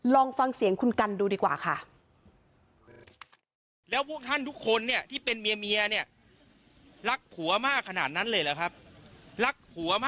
ลองฟังเสียงคุณกันดูดีกว่าค่ะ